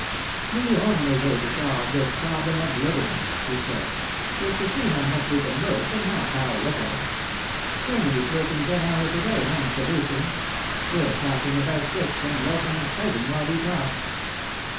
"The only way to solve this problem of living," he said, "is to see how much we can work, and not how little. Germany's working ten hours a day, and producing. We're talking about six, and loafing and fighting while we talk."